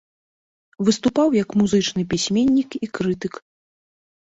Выступаў як музычны пісьменнік і крытык.